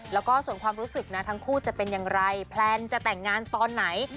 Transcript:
แล้วก็ส่วนความรู้สึกนะทั้งคู่จะเป็นอย่างไรแพลนจะแต่งงานตอนไหน